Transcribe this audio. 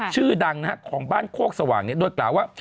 ชื่อดังของบ้านโคกสว่างโดยกล่าวว่า